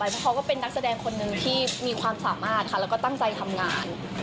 เพราะเขาก็เป็นนักแสดงคนหนึ่งที่มีความสามารถค่ะแล้วก็ตั้งใจทำงาน